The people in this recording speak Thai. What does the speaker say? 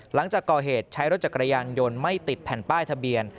หลังจากก่อเหตุใช้รถจักรยานยนต์ไม่ติดแผ่นป้ายทะเบียน